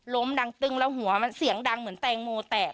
ดังตึงแล้วหัวมันเสียงดังเหมือนแตงโมแตก